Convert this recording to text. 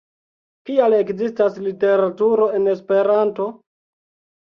Kial ekzistas literaturo en Esperanto?